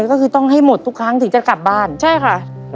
ก็คือต้องให้หมดทุกครั้งถึงจะกลับบ้านใช่ค่ะ